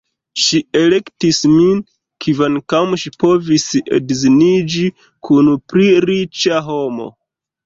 Ŝi elektis min, kvankam ŝi povis edziniĝi kun pli riĉa homo.